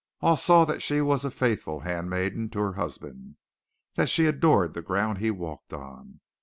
All saw that she was a faithful handmaiden to her husband, that she adored the ground he walked on.